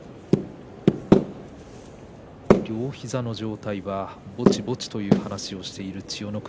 両膝の状態はぼちぼちという話がある千代の国。